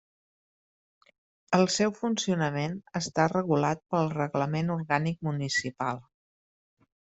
El seu funcionament està regulat pel Reglament Orgànic Municipal.